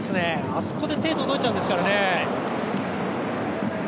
あそこで手が届いちゃうんですからね。